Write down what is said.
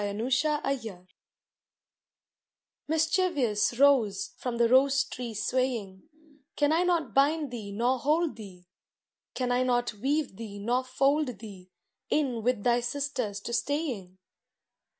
A WAYWARD ROSE Mischievous rose from the rose tree swaying, Can I not bind thee nor hold thee ? Can I not weave thee nor fold thee In with thy sisters to staying